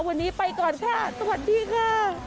วันนี้ไปก่อนค่ะสวัสดีค่ะ